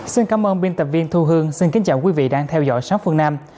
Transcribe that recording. xin cảm ơn biên tập viên thu hương xin kính chào quý vị đang theo dõi sát phương nam